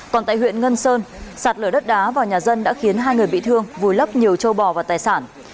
còn tại huyện ngân sơn sạt lở đất đá vào nhà dân đã khiến hai người bị thương vùi lấp nhiều châu bò và tài sản